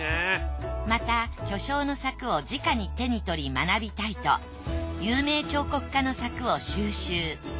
また巨匠の作を直に手に取り学びたいと有名彫刻家の作を収集。